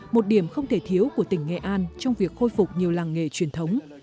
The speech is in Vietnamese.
một điểm không thể thiếu của tỉnh nghệ an trong việc khôi phục nhiều làng nghề truyền thống